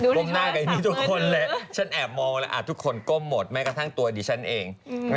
มหน้ากันอย่างนี้ทุกคนเลยฉันแอบมองแล้วทุกคนก้มหมดแม้กระทั่งตัวดิฉันเอง